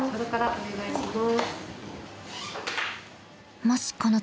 お願いします。